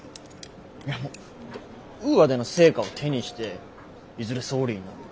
いやウーアでの成果を手にしていずれ総理になる。